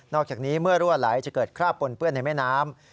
อกจากนี้เมื่อรั่วไหลจะเกิดคราบปนเปื้อนในแม่น้ำ